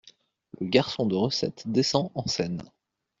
Le garçon de recette descend en scène.